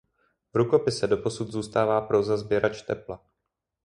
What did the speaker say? V rukopise doposud zůstává próza "Sběrač tepla".